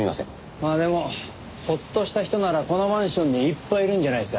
まあでもホッとした人ならこのマンションにいっぱいいるんじゃないですかね。